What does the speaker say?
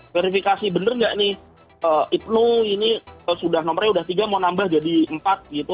verifikasi bener nggak nih ibnu ini sudah nomornya sudah tiga mau nambah jadi empat gitu